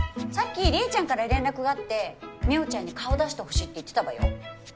さっきりえちゃんから連絡があって望緒ちゃんに顔出してほしいって言ってたわよ。